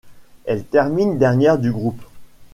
Elle termine dernière du groupe.